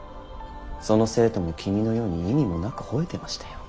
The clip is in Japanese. その生徒も君のように意味もなくほえてましたよ。